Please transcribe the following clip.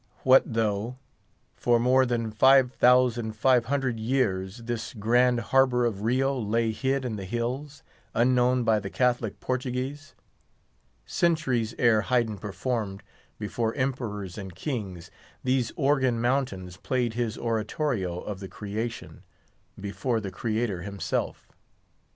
What though, for more than five thousand five hundred years, this grand harbour of Rio lay hid in the hills, unknown by the Catholic Portuguese? Centuries ere Haydn performed before emperors and kings, these Organ Mountains played his Oratorio of the Creation, before the Creator himself.